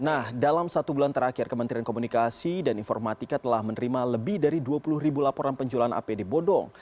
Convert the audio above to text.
nah dalam satu bulan terakhir kementerian komunikasi dan informatika telah menerima lebih dari dua puluh ribu laporan penjualan apd bodong